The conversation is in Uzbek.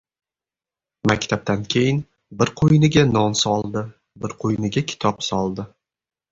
Maktabdan keyin bir qo‘yniga non soldi, bir qo‘yniga kitob soldi.